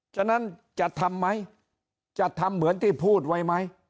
ฉะนั้นจะทำไหมจะทำเหมือนที่พูดไว้ไหม